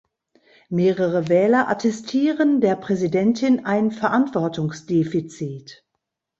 Mehrere Wähler attestieren der Präsidentin ein Verantwortungsdefizit.